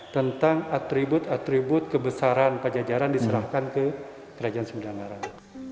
tentang atribut atribut kebesaran pajajaran diserahkan ke kerajaan sembilan